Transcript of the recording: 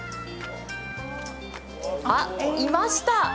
あ、いました！